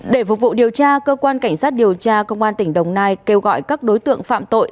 để phục vụ điều tra cơ quan cảnh sát điều tra công an tỉnh đồng nai kêu gọi các đối tượng phạm tội